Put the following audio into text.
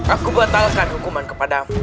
aku batalkan hukuman kepadamu